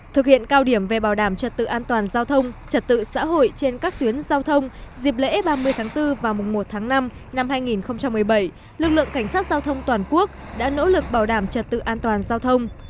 thực hiện cao điểm về bảo đảm trật tự an toàn giao thông trật tự xã hội trên các tuyến giao thông dịp lễ ba mươi tháng bốn và mùa một tháng năm năm hai nghìn một mươi bảy lực lượng cảnh sát giao thông toàn quốc đã nỗ lực bảo đảm trật tự an toàn giao thông